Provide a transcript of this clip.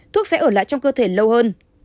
thuốc sẽ ở lại trong cơ thể lâu hơn